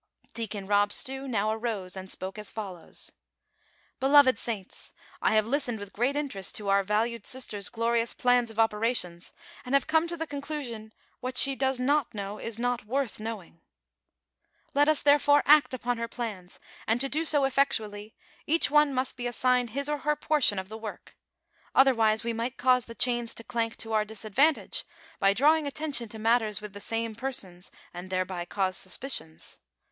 Deacon Rob Stew now arose and spoke as follows :" Beloved saints, I have listened with great interest to our valued sister's glorious plans of operations, and have come to the conclusion, what she does not know is not worth knowing. "Let us, therefore, act upon her plans, and to do so ef fectually, each one must be assigned his or her portion of the work, otherwise we might cause the chains to clank to our disadvantage, by drawing attention to matters with the same persons, and thereby cause suspicions.